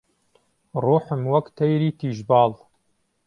ڕووحم وەک تەیری تیژ باڵ